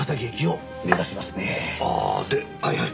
ああではいはい。